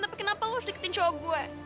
tapi kenapa lo harus deketin sama gue